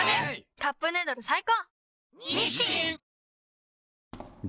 「カップヌードル」最高！